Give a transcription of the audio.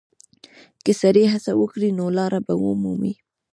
که سړی هڅه وکړي، نو لاره به ومومي.